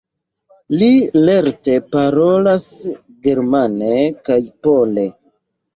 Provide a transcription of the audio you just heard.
Li lerte parolas germane kaj pole.